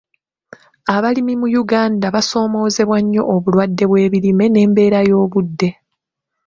Abalimi mu Uganda basoomozeebwa nnyo obulwadde bw'ebimera n'embeera y'obudde.